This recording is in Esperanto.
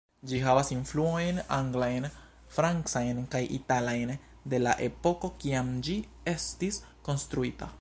Ĝi havas influojn anglajn, francajn kaj italajn, de la epoko kiam ĝi estis konstruita.